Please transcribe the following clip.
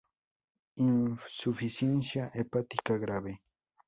Insuficiencia hepática grave.